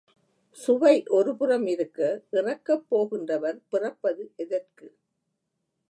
சுவை ஒருபுறம் இருக்க, இறக்கப் போகின்றவர் பிறப்பது எதற்கு?